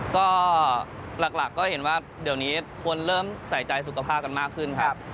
ก็หลักก็เห็นว่าเดี๋ยวนี้ควรเริ่มใส่ใจสุขภาพกันมากขึ้นครับ